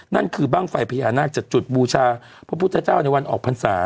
นั่นคือบ้างไฟพญานาคจากจุดบูชาพระพุทธเจ้าในวันออกพรรษา